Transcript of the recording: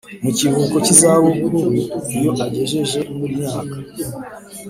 mu kiruhuko cy izabukuru iyo agejeje ku myaka